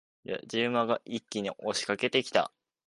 野次馬が一気に押し掛けてきた。